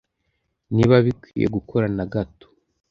Niba bikwiye gukora na gato